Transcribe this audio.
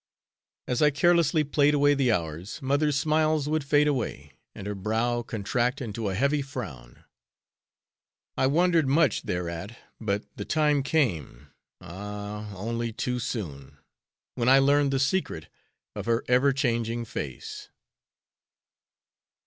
As I carelessly played away the hours, mother's smiles would fade away, and her brow contract into a heavy frown. I wondered much thereat, but the time came ah! only too soon, when I learned the secret of her ever changing face!